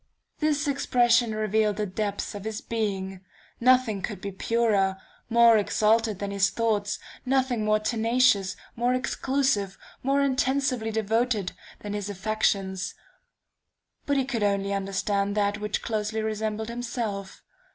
"This expression revealed the depths of his being. Nothing could be purer, more exalted than his thoughts; nothing more tenacious, more exclusive, more intensely devoted, than his affections.... But he could only understand that which closely resembled himself....